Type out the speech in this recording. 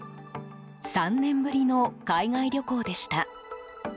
３年ぶりの海外旅行でした。